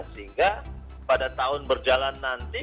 sehingga pada tahun berjalan nanti